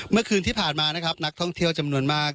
เมื่อคืนที่ผ่านมานะครับนักท่องเที่ยวจำนวนมาก